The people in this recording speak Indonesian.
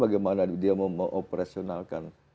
bagaimana dia mau operasionalkan